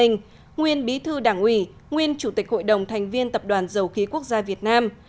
nguyên bí thư đảng ủy nguyên chủ tịch hội đồng thành viên tập đoàn dầu khí quốc gia việt nam